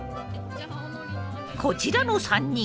こちらの３人。